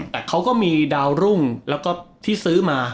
แต่เขาก็มีดาวรุ่งแล้วก็ที่ซื้อมา